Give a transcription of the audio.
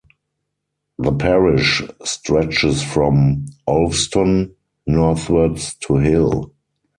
The parish stretches from "Olveston" northwards to Hill.